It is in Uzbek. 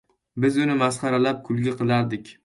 Biz uni masxaralab, kulgi qilardik.